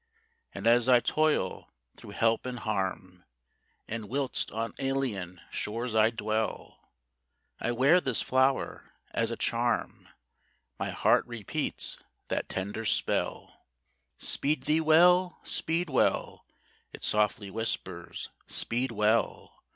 And as I toil through help and harm, And whilst on alien shores I dwell, I wear this flower as a charm, My heart repeats that tender spell: "Speed thee well! Speed well!" It softly whispers, "Speed well!